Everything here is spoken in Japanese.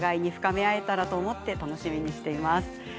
お互いに深めあえたらと思って楽しみにしています。